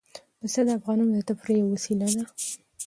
پسه د افغانانو د تفریح یوه وسیله ده.